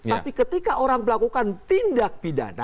tapi ketika orang melakukan tindak pidana